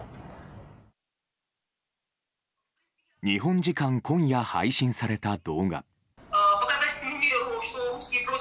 日本時間今夜配信された動画。